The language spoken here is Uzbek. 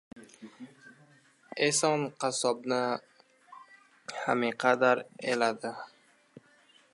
Eson qassobni haminqadar eladi.